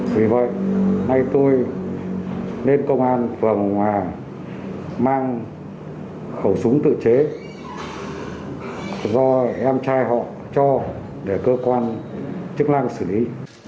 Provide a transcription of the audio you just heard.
vì vậy nay tôi lên công an phòng mà mang khẩu súng tự chế do em trai họ cho để cơ quan chức năng xử lý